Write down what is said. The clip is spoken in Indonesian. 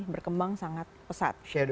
berkembang sangat pesat